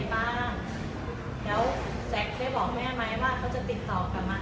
แล้วแซะเคี้ยบอกแม่ไม๊ว่าเขาจะติดต่อกังมั่นมั้ย